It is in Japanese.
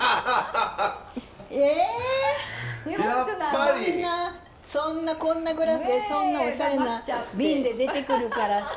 そんなそんなこんなグラスでそんなおしゃれな瓶で出てくるからさ。